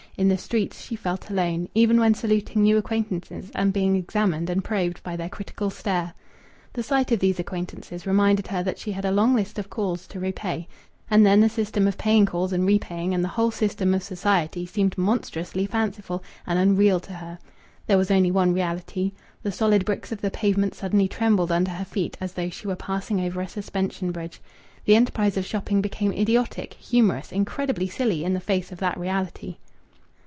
In the streets she felt alone, even when saluting new acquaintances and being examined and probed by their critical stare. The sight of these acquaintances reminded her that she had a long list of calls to repay. And then the system of paying calls and repaying, and the whole system of society, seemed monstrously fanciful and unreal to her. There was only one reality. The solid bricks of the pavement suddenly trembled under her feet as though she were passing over a suspension bridge. The enterprise of shopping became idiotic, humorous, incredibly silly in the face of that reality.